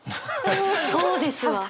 そうですわ。